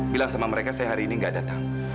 bilang sama mereka saya hari ini gak datang